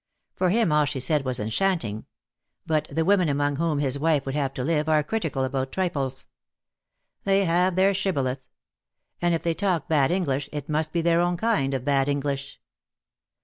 For him all she said was enchanting; but the women among whom his wife would have to live are critical about trifles. They have their shibboleth; and if they talk bad English it must be their own kind of bad English.